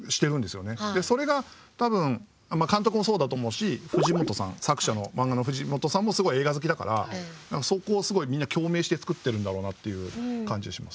それが多分監督もそうだと思うし藤本さん作者の漫画の藤本さんもすごい映画好きだからそこをすごいみんな共鳴して作ってるんだろうなっていう感じがします。